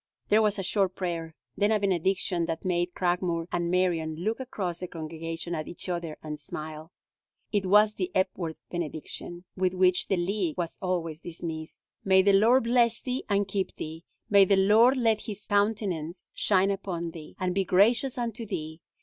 There was a short prayer, then a benediction that made Cragmore and Marion look across the congregation at each other and smile. It was the Epworth benediction, with which the League was always dismissed: "May the Lord bless thee, and keep thee. May the Lord let his countenance shine upon thee, and be gracious unto thee!